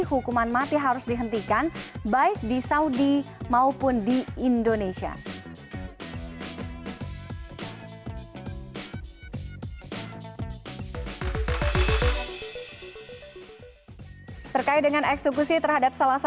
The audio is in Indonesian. hukuman mati harus dihentikan baik di saudi maupun di indonesia